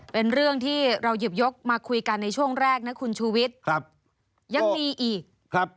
เป็นเรื่องที่เราหยิบยกมาคุยกันในช่วงแรกนะคุณชูวิทย์ครับยังมีอีกครับ